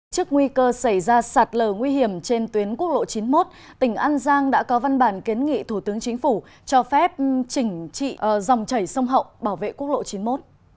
trước nguy cơ xảy ra sạt lờ nguy hiểm trên tuyến quốc lộ chín mươi một tỉnh an giang đã có văn bản kiến nghị thủ tướng chính phủ cho phép chỉnh trị dòng chảy sông hậu bảo vệ quốc lộ chín mươi một